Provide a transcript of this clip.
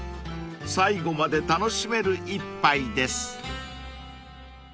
最後まで楽しめる一杯です］